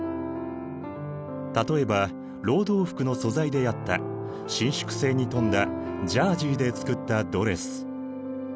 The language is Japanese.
例えば労働服の素材であった伸縮性に富んだジャージーで作ったドレス。